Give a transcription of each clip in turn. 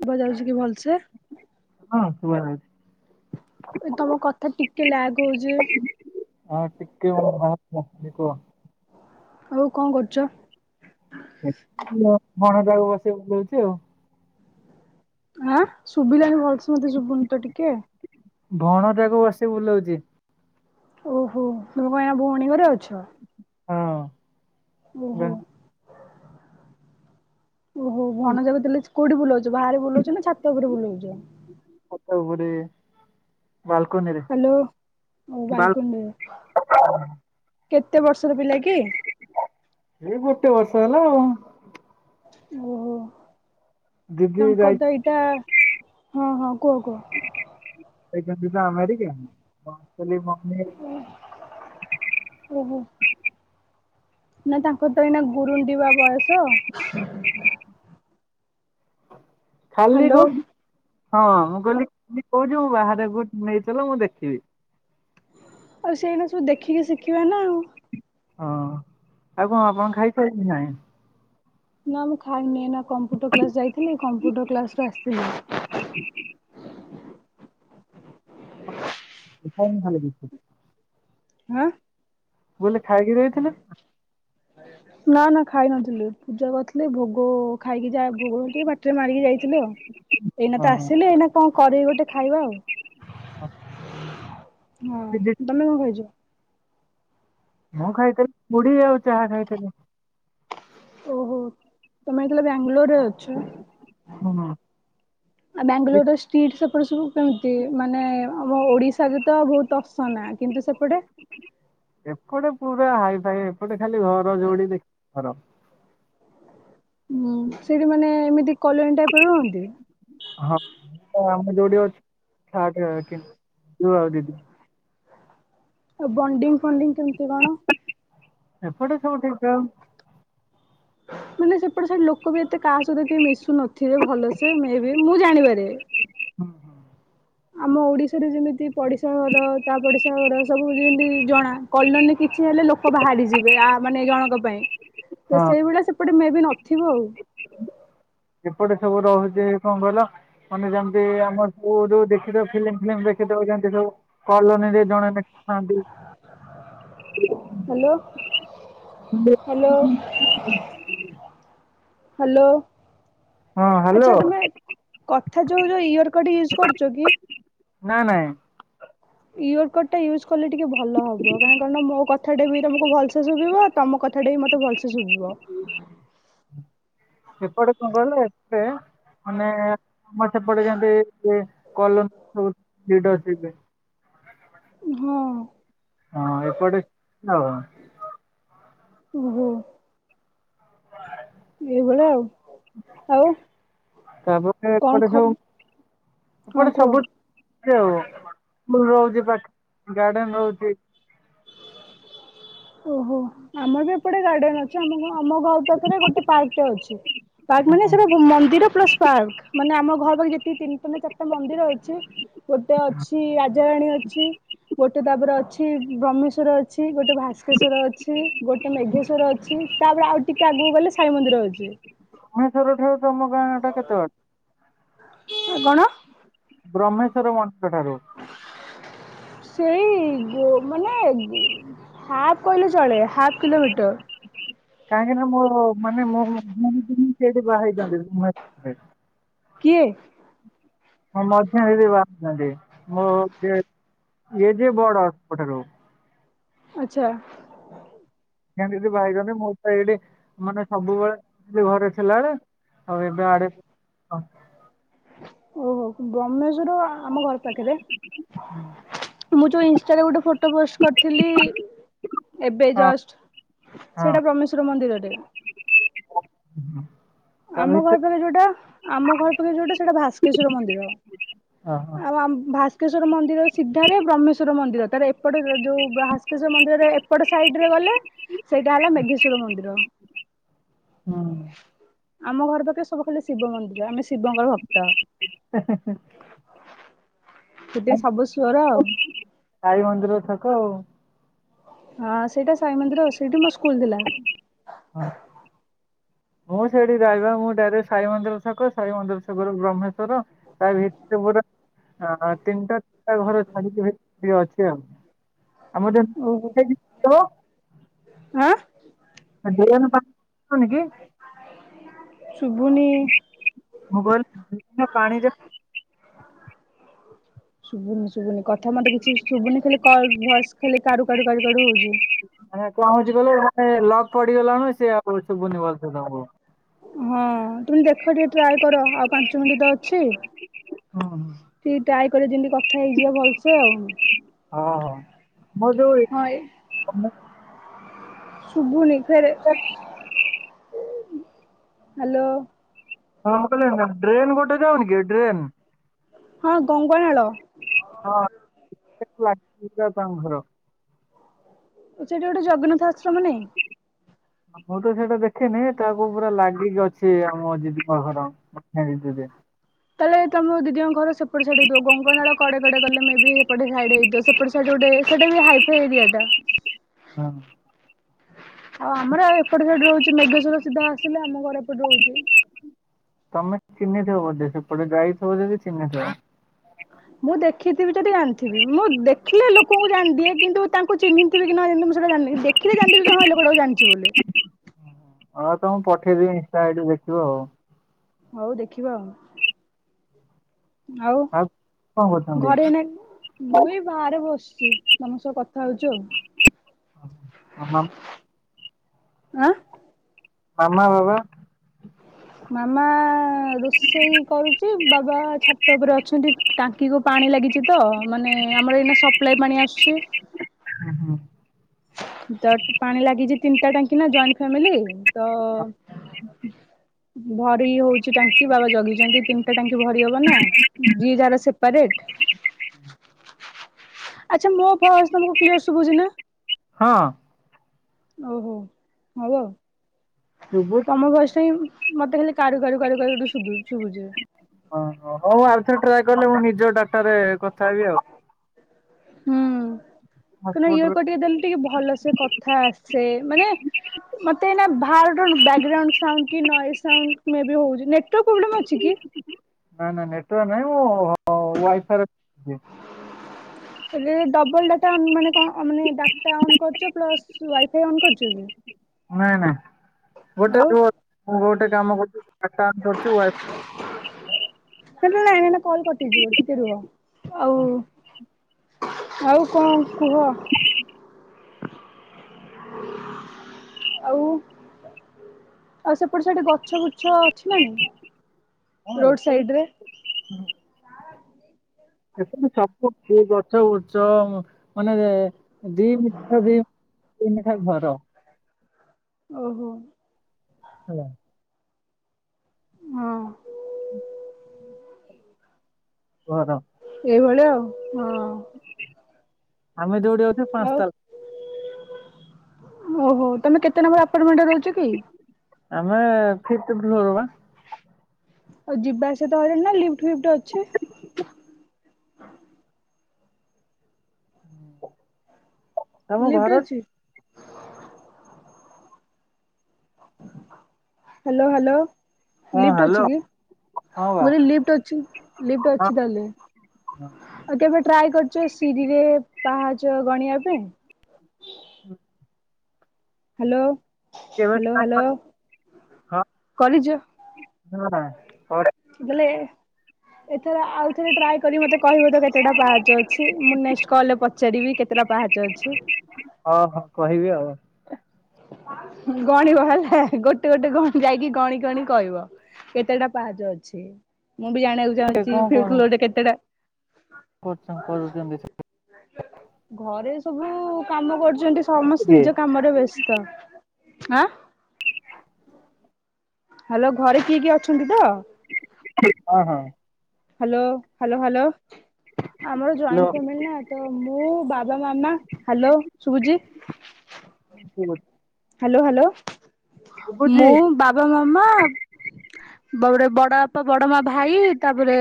ସୁଭା ଜାଉଛି କି ଭଲସେ। ହ୍ନୁ ହ୍ନୁ। ଏ ତମ କଥା ଟିକେ ଲାଗ ଯେ ହଁ ଟିକେ ମୋ ଭଏସ୍ କଟୁଛି କୁହ। ଆଉ କଣ କରୁଛ? [unintelligible] ଭଣଜାକୁ ବସେଇ ବୁଲଉଛି ଆଉ। ଆଁ ଶୁଭିଲାନି ଭଲସେ ମତେ ସୁୁବୁନି ତ ଟିକେ। ଭଣଜାକୁ ବସି ବୁଲଉଛି। ଓହୋ ତୁମେ ଏଇନା ଭଉଣୀ ଘରେ ଅଛ? ହଁ ଓ ବା- ହୋ। ଓହୋ ଭଣଜା କୁ ତାହେଲେ କୋଉଁଠି ବୁଲଉଛ ବାହାରେ ବୁଲଉଛ ନା ଛାତ ଉପରେ ବୁଲଉଛ। ଛାତ ଉପରେ। ବାଲକୋନିରେ ହ୍ୟାଲୋ ମୁଁ ବାଲ ବାଲକୁନି ରେ। କେତେ ବର୍ଷର ପିଲା କି? କେତେ ବର୍ଷ ହେଲା। ଓହୋ ଦିଦି ଯାଇ ତାଙ୍କର ତ ଏଇଟା ହଁ ହଁ। କୁହ କୁହ? ସେ ଏବେ ଯିବେ ଆମେରିକା [unintelligible] ଓହୋ ନା ତାଙ୍କର ତ ଏଇନା ଗୁରୁଣ୍ଡିବା ବୟସ। ଖାଲି ହ୍ୟାଲୋ କଉଚି ହଁ ମୁଁ କହିଲି ଖାଲି କହୁଛି ବାହାରକୁ ନେଇଚାଲ ମୁଁ ଦେଖିବି। ଆଉ ସେଇଟା ସବୁ ଦେଖିକି ଶିଖିବା ନା ଆଉ। ହଁ ଆଉ କଣ ଆପଣ ଖାଇ ସାଇଲେଣି ନା। ନା ମୁଁ ଖାଇିନି ଏଇନା। କମ୍ପ୍ୟୁଟର କ୍ଲାସ ଯାଇଥିଲି କମ୍ପୁଟର କ୍ଲାସରୁ ଆସିଲି। ଏଟା ଭଲ କିନ୍ତୁ ଆଁ। ବୋଲେ ଖାଇକି ଯାଇଥିଲେ ନା? ନା ନା ଖାଇ ନଥିଲେ ପୂଜା କରିଥିଲେ ଭୋଗ ଖାଇକି ଯା ଭୋଗଟିକେ ବାଟିରେ ମାରିକି ଯାଇଥିଲୁ ଆଉ। ଏଇନା ତ ଓହୋ ଆସିଲେ ଏଇନା କଣ କରିକି ଗୋଟେ ଖାଇବା ଆଉ ଅଁ ହଁ ତମେ କଣ ଖାଇଚ? ମୁଁ ଖାଇଥିଲି ମୁଢ଼ି ଆଉ ଚାହା ଖାଇଥିଲି। ଓହୋ ତମେ କହିଲ ବାଙ୍ଗାଲୋରରେ ଅଛ ହୁଁ। ଆଉ ବାଙ୍ଗାଲୋରର ଷ୍ଟ୍ରିଟ୍ ସବୁ କେମିତି ମାନେ ଆମ ଓଡିଶାରେ ତ ବହୁତ ଅସନା କିନ୍ତୁ ସେପଟେ ଏପଟେ ପୁରା ହାଇଫାଇ ଏପଟେ ଖାଲି ଘର ଯୋଡି ଦେଖ ଘର ହୁଁ ସେଠିମାନେ ଏମିତି କଲୋନି ଟାଇପରେ ରୁହନ୍ତି। ହଁ ଆମ ଯୋଉଠି ଅଛୁ ତା ଟି [unintelligible] ହଉ ହଉଦି [unintelligible] ଆଉ ବଣ୍ଡିଙ୍ଗ ଫଣ୍ଡିଙ୍ଗ କେମିତି କଣ? ଏପଟେ ସବୁ ଠିକଠାକ୍। ହଁ ମାନେ ସେପଟେ ସେଠି ଲୋକ ବି ଏତେ କାହା ସହିତ କେ ମିଶୁ ନଥିବେ ଭଲସେ ମେବି ମୁଁ ଜାଣିବାରେ ହୁଁ ହୁଁ ଆମ ଓଡିଶାରେ ଯେମିତି ପଡିଶା ଘର ତା ପଡିଶା ଘର ସବୁ ଯେମିତି ଜଣା କଲୋନୀରେ କିଛି ହେଲା ଲୋକ ବାହାରି ଯିବେ ଆ ମାନେ ଏ ଜଣଙ୍କ ପାଇଁ ତ ହଁ ସେଇଭଳିଆ ସେପଟେ ମେବି ନଥିବ ଆଉ। ଏପଟେ ସବୁ ରହୁଛି କଣ କହିଲ ମାନେ ଯେମିତି ଆମର ସବୁ ଯୋଉ ଦେଖିଦ ଫିଲ୍ମ ଫିଲ୍ମ ଦେଖିଦଉ କଲୋନିରେ ଜଣେ ଆଛା ହ୍ୟାଲୋ ହ୍ୟାଲୋ [unintelligible] ହ୍ୟାଲୋ ହଁ ହ୍ୟାଲୋ ଆଚ୍ଛା ତମେ କଥା ଯୋଉ ଯୋଉ ଇୟରକଡ ୟୁଜ କରୁଛ କି? ନା ନାଇଁ ୟଅରକଡଟା ୟୁଜ କଲେ ଟିକେ ଭଲ ହବ କାହିଁକହିଲ ମୋ କଥାଟା ବି ତମକୁ ଭଲସେ ଶୁଭିବ ତମ କଥାଟା ବି ମତେ ଭଲସେ ଶୁଭିବ। ଏପଟେ କଣ କହିଲ ଏତେ ମାନେ ସମ ପଡେ କଲ ଲ [unintelligible] ହଁ ହଁ ଏପଟେ ଓହୋ ଏଇଭଳିଆ ଆଉ। ଆଉ ତାପରେ କଣ ଏପଟେ ଖ ସବୁ ହଁ ଏପଟେ କୁହ ସବୁ ଆ ସ୍କୁଲ ରହୁଛି ପା ଗାର୍ଡେନ ରହୁଛି। ଓହୋ ଆମର ବି ଏପଟେ ଗାର୍ଡେନ ଅଛି ଆମ ଆମ ଘର ପାଖରେ ଗୋଟେ ପାର୍କଟେ ଅଛି। ହଁ ପାର୍କମାନେ ସେଟା ମନ୍ଦିର ପ୍ଲସ ପାର୍କ ମାନେ ଆମ ଘର ପାଖରେ ଯେତିି ତିନିଟ ଚାରିଟା ମନ୍ଦିର ଅଛି ଗୋଟେ ଅଛି ରାଜାରାଣୀ ଅଛି, ଗୋଟେ ତାପରେ ଅଛି ବ୍ରହ୍ମେଶ୍ଵର ଅଛି, ଗୋଟେ ଗୋଟେ ଭାସ୍କେଶ୍ଵର ଅଛି, ଗୋଟେ ମେଘେଶ୍ଵର ଅଛି, ତାପରେ ଆଉ ଟିକେ ଆଗକୁ ଗଲେ ସାଇ ମନ୍ଦିର ଅଛି। ମହେଶ୍ୱର ଠାରୁ ତମ ଗାଁ ଟା କେତେ ବାଟ? ଆ କଣ [unintelligible] ବ୍ରହ୍ମେଶ୍ଵର ମନ୍ଦିର ଠାରୁ? ସେଇ ମାନେ ହାଫ କହିଲେ ଚଳେ ହାଫ କିଲୋମିଟର [unintelligible] କିଏ [unintelligible] ଏ ଯେ ବଡ ସବୁଠାରୁ ଆଚ୍ଛା କେମତି ଭାଇଗନି ମୋ ତ ଏଇଠି ମାନେ ସବୁବେଳେ ଘରେ ଥିଲା ବେଳେ [inaudible] [unintelligible] ଓହୋ ବ୍ରହ୍ମେଶ୍ବର ଆମ ଘର ପାଖରେ ମୁଁ ଯୋଉ ଇନଷ୍ଟାରେ ଗୋଟେ ଫୋଟ ଫଟୋ ପୋଷ୍ଟ କରିଥିଲି ଏବେ ହଁ ହଁ ଜଷ୍ଟ ହଁ। ସେଇଟା ପରମେଶ୍ଵର ମନ୍ଦିରରେ। ସେ ତା ଆମ ଘର ଭିତରେ ପାଖରେ ଯୋଉଟା ଆମ ଘର ପାଖେ ଯୋଉଟା ସେଇଟା ଭାସ୍କେଶ୍ଵର ମନ୍ଦିର। ହଁ ହଁ ଆଉ ଆମ ଭା ଭିସ୍କେଶ୍ୱର ମନ୍ଦିର ସିଧାରେ ବ୍ରହ୍ମେଶ୍ୱର ମନ୍ଦିର ତାର ଏପଟେ ଯୋଉ ହାସକେଶ୍ୱର ମନ୍ଦିରରେ ଏପଟ ସାଇଡ ରେ ସେଇଟା ହେଲା ମେଘେଶ୍ଵର ମନ୍ଦିର। ହଁ ଆମ ଘର ପାଖେ ସବୁ ଖାଲି ଶିବ ମନ୍ଦିର ଆମେ ଶିବଙ୍କର ଭକ୍ତ। ସେଠି ହୁଁ ସବୁ ସ୍ଵର ଆଉ ସାଇ ମନ୍ଦିର ଛକ ଆଉ। ହଁ ସେଇଟା ସାଇ ମନ୍ଦିର ସେଇଠି ମୋ ସ୍କୁଲ ଥିଲା। ମୁଁ ସେଇଠି ଯାଇବା ମୁଁ ଡାଇରେଟ ସାଇ ମନ୍ଦିର ଛକ ସାଇ ମନ୍ଦିର ଛକରୁ ବ୍ରହ୍େଶଵର ଭିତରେ ତିନିଟା ଘର ଛାଡିକି ଅଛି ଆଉ ଆମ [inaudible] ଓହୋ ଆଁ ଦେ ପାଣି ନ କି [inaudible] ଶୁଭୁନି। ମୁଗ ପାଣିରେ [inaudible] [inaudible] ଶୁଭୁନି କଥା ମତେ କିଛି ଶୁବୁନି ଖାଲି କଲ୍ ଭସ୍ ଖାଲି କାଡୁ କାଡୁ ହଉଛି। [unintelligible] ପଡିଗଲାଣି ସେ ଆଉ ଶୁଭୁନି ଭଲସେ ତାଙ୍କୁ। ହଁ ତୁମେ ଦେଖ ଟିକେ ଟ୍ରାଲ୍ କର ଆଉ ପାଞ୍ଚ ମିନିଟ୍ ତ ଅଛି। ହୁଁ ହୁଁ ଟିକେ ଟାଇ କରିବା ଯେମିତି କଥା ହେଇଯିବା ଭଲସେ ଆଉ [unintelligible] ଶୁଵୁନି ଫେରେ ହଁ ମୁଁ କହିଲି ଡ୍ରେନ୍ ଗୋଟେ ଯାଉନି କି ଡ୍ରେନ୍? ହଁ ଗଙ୍ଗ ନାଳ। [unintelligible] ସେ ଠିଗୋଟେ ଜଗନ୍ନାଥ ଆଶ୍ରମ ନାଇଁ। ମୁଁ ତ ସେଇଟା ଦେଖିନି ତାକୁ ପୁରା ଲାଗିକି ଅଛି ଆମ ଦିଦି ଙ୍କ ଘର [unintelligible] [unintelligible] ସେପଟେ ସାଇଡି ହଁ। ଆଉ ଆମର ଏପଟେ ସାଇଟ ରହୁଛି ମେଘା ସର ସିଧା ଆସିଲେ ଆମ ଘର ଏପଟେ ରହୁଚି। ତମେ ଚିହ୍ନି ଥିବ ବୋଧେ ସେପଟେ ଯାଇ ଥିବ ଯଦି ଚିହ୍ନି ଥିବ। ମୁଁ ଦେଖିଥିବି ଯଦି ଜାଣିଥିବି ମୁଁ ଲୋକଙ୍କୁ ଜାଣିଦିଏ କିନ୍ତୁ ତାଙ୍କୁ ଚିହ୍ନିଥିବି କି ନ ଜାଣିଥିବେ ମୁଁ ସେଟା ଜାଣିନି ଦେଖିଲେ ଜାଣିଦେବି ହଁ ଲୋକଟାକୁ ଜାଣିଛି ବୋଲି। [inaudible] ହଁ ତମକୁ ପଠେଇଦେବି ଇନଷ୍ଟାଆଇଡି ରେ ଦେଖିବ ଆଉ। ହଉ ଦେଖିବା ଆଉ। ଆଉ କଣ କରୁଛନ୍ତି? ଘରେ ଏଇନା ମୁ ଏଇ ବି ବାହାରେ ବସି ଛି ତମ ସହ କଥା ହଉଛ ଆଉ। ଆମ ଆଁ। ମାମା, ବାବା? ମାମା ରୋଷେଇ କରୁଛି ବା ବା ଛାତ ଉପରେ ଅଛନ୍ତି। ଟାଙ୍କି କୁ ପାଣି ଲାଗିଛି ତ ମାନେ ଆମର ଏଇନା ସପ୍ଳାଏ ପାଣି ଆସୁଛି। [inaudible] ଓ ହୋ। [inaudible] ପାଣି ଲାଗିଛି ତିନିଟା ଟାଙ୍କି ନା ଜଏଣ୍ଟ ଫାମିଲି ତ। [inaudible] ଭରି ହଉଛି ଟାଙ୍କି ବାବା ଜଗିଛନ୍ତି। ତିନିଟା ଟାଙ୍କି ଭରି ହବ ନା ଯିଏ ଯାହାର ସେପାରେଟ। ଆଛା ମୋ ଭଏସ ତମକୁ କ୍ଲିୟର ଶୁଭୁଛି ନା। ହଁ। ଓହୋ ହଉ ଆଉ ଶୁଭୁଛି ତମ ଭଇସ ଟା ହିଁ ମତେ ଖାଲି କାରୁ କାରୁ କାରୁ କାରୁ ସୁବୁ ଶୁଭୁଚି। ଓହୋ ହଉ ଆଉଥରେ ଟ୍ରାଏ କଲେ ମୁଁ ନିଜ ଡାଟରେ କଥା ହେବି ଆଉ। ହୁଁ। କଣ ନା ଇଅର୍ ହଟସ୍ପଟରେ କଡ୍ ଟିକେ ଦେଲେ ଟିକେ ଭଲ ସେ କଥା ଆସେ, ମାନେ ମତେ ଏ ନା ଆର ଗୋଟେ କଣ ବ୍ୟାକଗ୍ରାଉଣ୍ଡ ସାଉଣ୍ଡ କି ନଏଜେ ସାଉଣ୍ଡ ମେ ବି ହଉଛି। ନେଟୱର୍କ ପ୍ରୋବ୍ଲେମ ଅଛି କି? ନାଇଁ ନାଇଁ ନେଟୱର୍କ ନାଇଁ ମୁଁ ଉ ୱାଇଫାଇରେ। [unintelligible] [inaudible] ଏବେ ଡବଲ ଡାଟା ଅନ୍ ମାନେ ଅ ମାନେ ଡାଟା ଅନ୍ କରୁଛ ପ୍ଲସ ୱାଇଫାଇ ଅନ୍ କରୁଛ କି? ନାଇଁ ନାଇଁ। ଗୋଟେ ଆଉ [unintelligible] ଗୋଟେ କାମ କରୁଚୁ ଡାଟା ଅନ୍ କରୁଚୁ ୱାଇ। [unintelligible] ହେଟା ନାଇ ନା କଲ କଟିଯିବ ଟିକେ ରୁହ ଆଉ ଆଉ କଣ କୁହ? ଆଉ। ଆଉ ସେପଟେ ସେଠି ଗଛ ବ୍ରୁଛ ଅଛି ନା ନାଇଁ। ହଁ ରୋଡ ଏପଟେ ସାଇଡ ରେ? ଗଛ ବ୍ରୁଛ ମାନେ ଦିଇ ମି [unintelligible] ଦିଇ ମି [unintelligible] ନେଖା ଘର। ଓହୋ।। ହ୍ୟାଲୋ। ହଁ ଘର ସେଇଭଳିଆ ଆଉ ହଁ। ତମେ ଦଉଡ଼ି ଯାଇଥିବ ପାଞ୍ଚ ଆଉ ତାଲ ଓହୋ ତମେ କେତେ ନମ୍ବର ଆପଟମେଣ୍ଟରେ ରହୁଛ କି? ଆମେ ଫିପ୍ଥ ଫ୍ଲୋର ବା। ଆଉ ଯିବା ଆସିବା ହଇରାଣ ନା ଲିଫ୍ଟ ଫିଫ୍ଟ ଅଛି। ତମ ଲିଫ୍ଟ ଘର ଅଛି। Hello hello. ହଁ ଲିଫ୍ଟ ହ୍ୟାଲୋ ଅଛି କି, ହଁ ବା ଗୋଟେ ଲିଫ୍ଟ ଅଛି ଲିଫ୍ଟ ହଁ ଅଛି ତାହେଲେ। ଆ କେବେ ଟ୍ରାଏ କରୁଛ ସିରିରେ ପାହାଚ ଗଣିବା ପାଇଁ। ହ୍ୟାଲୋ କେବେ ହ୍ୟାଲୋ ଟ୍ରାଏ ହ୍ୟାଲୋ ହଁ କରିଚ। ହଁ। କଲେ ଏଥରେ ଆଉ ଥରେ ଟ୍ରାଏ କରି ମତେ କହିବ ତ କେତେଟା ପାହାଚ ଅଛି ମୁଁ ନେକ୍ସଟ କଲରେ ପଚାରିବି କେତେଟା ପାହାଚ ଅଛି? ହଁ ହଁ କହି ଗଣିବ ହେଲା ଗୋଟେ ଗୋଟେ ଗଣ ଯାଇକି ଗଣି ଗଣି କହିବ। କେତେଟା ପାହାଚ ଅଛି ମୁଁ ବି ଜାଣିବାକୁ ଚାହୁଁଛି [inaudible] କେତେଟା କରଚମ୍ କର ରଛନ୍ତି। [inaudible] ଘରେ ସବୁ କାମ କରୁଛନ୍ତି ସେ ସମସ୍ତେ କିଏ ନିଜ କାମରେ ବେଶ ଆଁ ହ୍ୟାଲୋ ଘରେ କିଏ କିଏ ଅଛନ୍ତି ତ? ହଁ ହଁ। Hello hello hello. ଆମର ହ୍ୟାଲୋ ଜ‌ଏଣ୍ଟ‌ ଫାମିଲି ନା ତ ମୁଁ, ବାବା, ମାମା ହା‌ଲୋ ଶୁଭୁଚି? ହୁଁ। ହ୍ୟାଲୋ ହ୍ୟାଲୋ ଶୁଭୁଚି ମୁଁ, ବାବା, ମାମା, ବଡ ବଡ ବାପା, ବଡ ମା, ଭାଇ ତାପରେ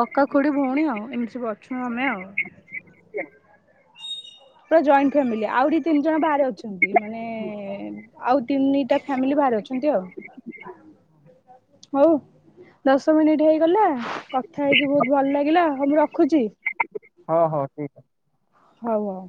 କକା, ଖୁଡି, ଭଉଣୀ ଆଉ ଏମିତି ସବୁ ଅଛୁ ଆମେ ଆଉ। ହ ହ ପରା ଜଏନ୍ଟ ଫ୍ୟାମିଲି ଆଉି ତିନି ଜଣ ବାହାରେ ଅଛନ୍ତି। ମାନେ-ଏ-ଏ-ଏ ଆଉ ତିନିଟା ଫ୍ୟାମିଲି ବା ଅଛନ୍ତି ଆଉ, ହଉ। ଦଶ ମିନିଟ ହେଇଗଲା କଥା ହେଇକି ବହୁତ ଭଲ ଲାଗିଲା ମୁଁ ରଖୁଛି। ହଁ ହଉ ଠି ହଉ ହଉ।